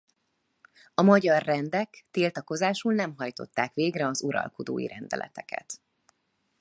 A magyar rendek tiltakozásul nem hajtották végre az uralkodói rendeleteket.